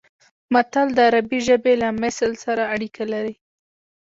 متل د عربي ژبې له مثل سره اړیکه لري